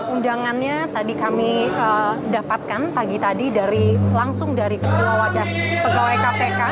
undangannya tadi kami dapatkan pagi tadi langsung dari ketua wadah pegawai kpk